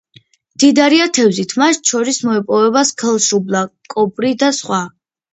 მდიდარია თევზით, მათ შორის მოიპოვება სქელშუბლა, კობრი და სხვა.